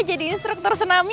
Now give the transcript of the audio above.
jadi instruktur senamnya